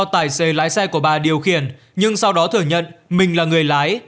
tài xế lái xe của bà điều khiển nhưng sau đó thừa nhận mình là người lái